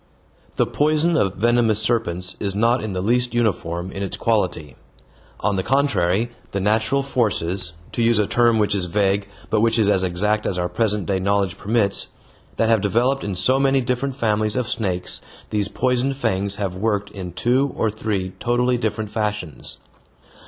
The poison of venomous serpents is not in the least uniform in its quality. On the contrary, the natural forces to use a term which is vague, but which is as exact as our present day knowledge permits that have developed in so many different families of snakes these poisoned fangs have worked in two or three totally different fashions.